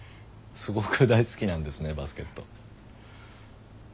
すごく大好きなんですねバスケット。